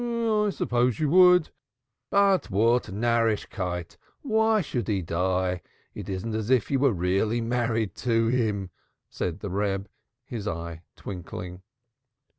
"Yes, I suppose you would. But what Narrischkeit! Why should he die? It isn't as if you were really married to him," said the Reb, his eye twinkling.